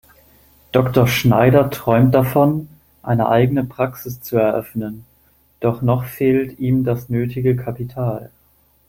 Dr. Schneider träumt davon, eine eigene Praxis zu eröffnen, doch noch fehlt ihm das nötige Kapital.